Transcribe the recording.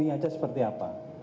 ini aja seperti apa